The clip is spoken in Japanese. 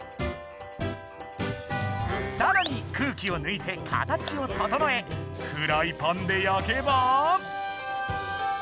さらに空気をぬいて形をととのえフライパンで焼けば。